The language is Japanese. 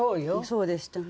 そうでしたね。